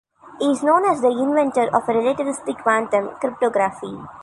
He is known as the inventor of relativistic quantum cryptography.